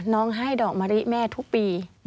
น้องให้ดอกมะริแม่ทุกปี